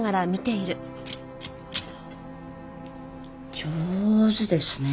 上手ですね。